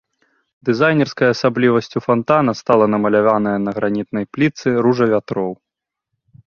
Дызайнерскай асаблівасцю фантана стала намаляваная на гранітнай плітцы ружа вятроў.